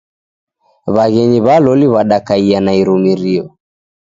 W'aghenyi w'a loli w'adakaia na irumirio.